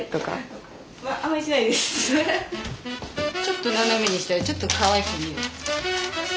ちょっと斜めにしたらちょっとかわいく見える。